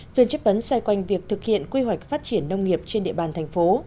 phiên chất vấn xoay quanh việc thực hiện quy hoạch phát triển nông nghiệp trên địa bàn thành phố